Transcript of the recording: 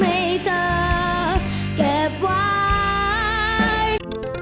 มันผิดที่ฉันยอมให้เธอไป